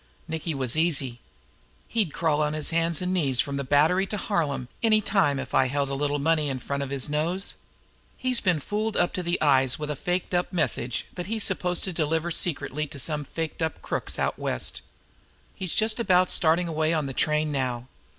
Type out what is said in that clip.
Nicky was easy. He'd crawl on his hands and knees from the Battery to Harlem any time if you held a little money in front of his nose. He's been fooled up to the eyes with a faked up message that he's to deliver secretly to some faked up crooks out West. He's just about starting away on the train now.